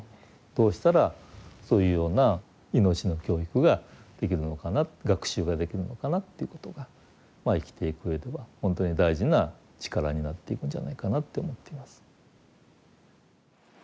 どうしたらそういうような命の教育ができるのかな学習ができるのかなっていうことが生きていくうえでは本当に大事な力になっていくんじゃないかなって思っています。